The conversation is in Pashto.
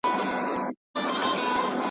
او د وطن د تاريخ ځلانده لمر وګرځېد.